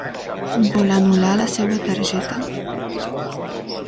Vol anul·lar la seva targeta?